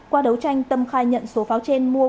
qua đấu tranh tâm khai nhận số pháo trên mua